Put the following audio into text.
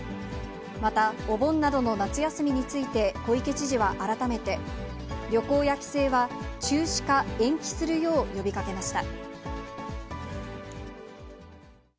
また、お盆などの夏休みについて、小池知事は改めて、旅行や帰省は中止か延期するよう呼びかけました。